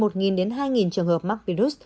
một hai trường hợp mắc virus